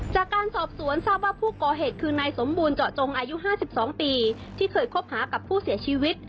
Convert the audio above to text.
จากการสอบสวนทราบว่าผู้ก่อเหตุคือนายสมบูรณเจาะจงอายุ๕๒ปีที่เคยคบหากับผู้เสียชีวิต